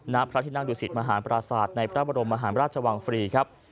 ณพระที่นั่งดุสิตมหาปราศาสตร์ในพระบรมมหาราชวังฟรีครับ